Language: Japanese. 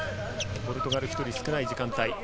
ポルトガルが１人少ない時間帯。